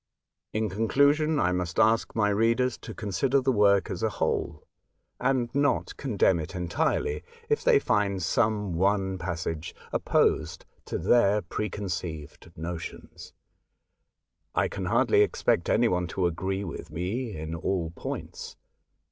In conclusion, I must ask my readers to consider the work as a whole, and not condemn xii A Voyage to Other Worlds. it entirely if they find some one passage opposed to their preconceived notions. I can hardly expect any one to agree with me in all points.